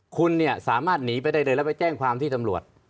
คุณเนี่ยสามารถหนีไปได้เลยแล้วไปแจ้งความที่ตำรวจ